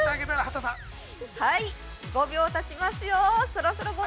はい、５秒たちますよ。